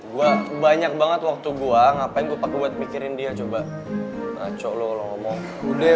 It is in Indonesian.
gue banyak banget waktu gua ngapain kok aku buat mikirin dia coba aco lo ngomong udah